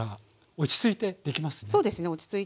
落ち着いてできます。